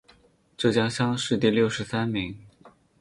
浙江乡试第六十三名。